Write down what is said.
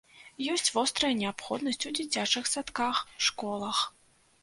Ёсць вострая неабходнасць у дзіцячых садках, школах.